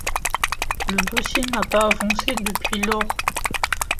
Le dossier n'a pas avancé depuis lors.